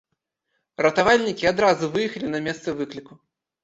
Ратавальнікі адразу выехалі на месца выкліку.